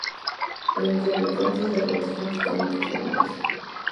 Donde interpretó a un sacerdote franciscano que tiene una hija.